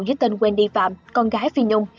dưới tên wendy phạm con gái phi nhung